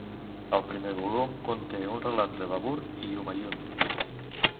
El primer volum conté un relat de Babur i Humayun.